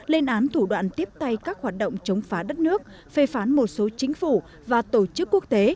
lên án thủ đoạn tiếp tay các hoạt động chống phá đất nước phê phán một số chính phủ và tổ chức quốc tế